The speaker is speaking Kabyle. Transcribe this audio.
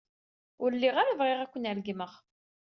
Ur lliɣ ara bɣiɣ ad ken-regmeɣ.